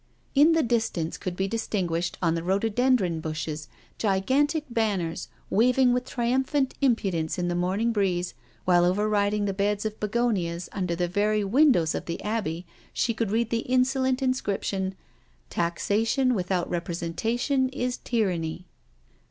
*' In the distance could be distinguished on the rhododendron bushes gigantic ban ners waving with triumphant impudence in the morning breeze, while overriding the beds of begonias, under, the very windows of the Abbey, she read the insolent in scription, *' Taxation without representation is tyranny.